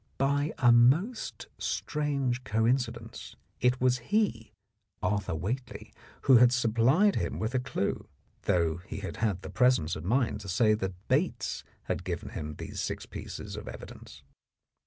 By a most strange coin cidence it was he, Arthur Whately, who had supplied him with a clue, though he had had the presence of mind to say that Bates had given him these six pieces of evidence.